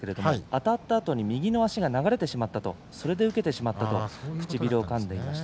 あたったあとに右の足が流れてしまったそれで受けてしまったという話です。